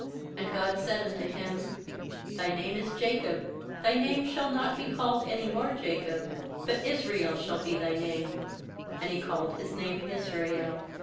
IOAnd God said unto him: 'Thy name is Jacob; thy name shall not be called any more Jacob, but Israel shall be thy name7; and He called his name Israel.